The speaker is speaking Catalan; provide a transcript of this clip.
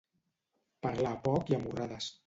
Parlar poc i a morrades.